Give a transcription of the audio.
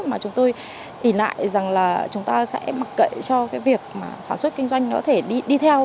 mà chúng tôi ý lại rằng là chúng ta sẽ mặc kệ cho việc sản xuất kinh doanh nó có thể đi theo